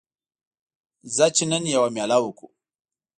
ځه چې نن یوه میله وکړو